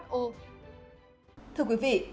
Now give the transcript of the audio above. thưa quý vị